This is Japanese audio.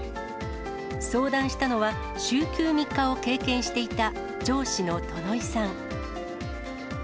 相談したのは、週休３日を経験していた上司の殿井さん。